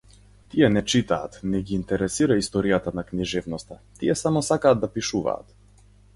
Тие не читаат, не ги интересира историјата на книжевноста, тие само сакат да пишуваат.